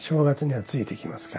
はい。